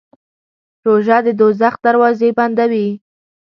روژه د دوزخ دروازې بندوي.